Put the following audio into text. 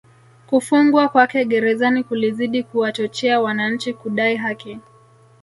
Kufungwa kwake Gerezani kulizidi kuwachochea wananchi kudai haki